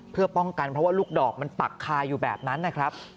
เพื่อป้องกันเพราะว่าลูกดอกมันปักคาอยู่แบบนั้นนะครับ